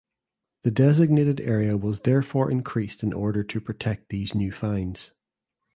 The designated area was therefore increased in order to protect these new finds.